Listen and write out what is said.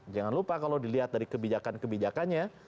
jangan lupa kalau dilihat dari kebijakan kebijakannya